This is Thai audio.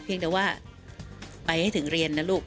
เพียงแต่ว่าไปให้ถึงเรียนนะลูก